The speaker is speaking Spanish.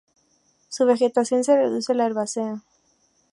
Su vegetación se reduce a la herbácea.